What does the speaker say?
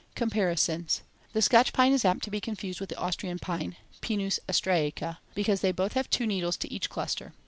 Comparisons: The Scotch pine is apt to be confused with the Austrian pine (Pinus austriaca), because they both have two needles to each cluster.